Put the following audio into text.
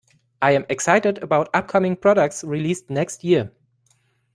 I am excited about upcoming products released next year.